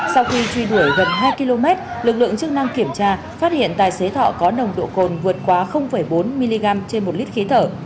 sau khi truy đuổi gần hai km lực lượng chức năng kiểm tra phát hiện tài xế thọ có nồng độ cồn vượt quá bốn mg trên một lít khí thở